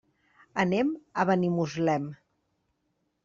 Anem a Benimuslem.